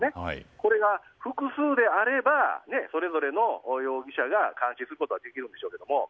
これが複数であればそれぞれの容疑者が監視することはできるでしょうけど。